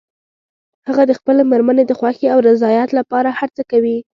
هغه د خپلې مېرمنې د خوښې او رضایت لپاره هر څه کوي